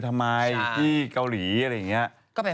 แต่จริงก็ได้